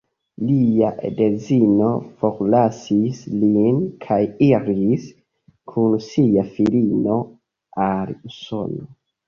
Lia edzino forlasis lin kaj iris kun sia filino al Usono.